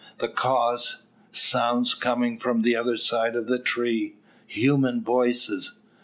The cause: sounds coming from the other side of the tree; human voices!